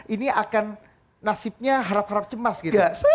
ini akan nasibnya harap harap cemas gitu